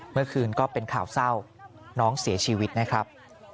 เมื่อคืนก็เป็นข่าวเศร้าน้องเสียชีวิตนะครับ